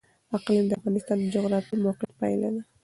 اقلیم د افغانستان د جغرافیایي موقیعت پایله ده.